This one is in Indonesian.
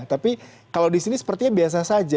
tapi kalau di sini sepertinya biasa saja